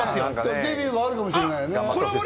デビューもあるかもしれないね。